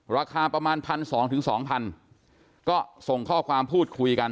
ราคาประมาณ๑๒๐๐๒๐๐ก็ส่งข้อความพูดคุยกัน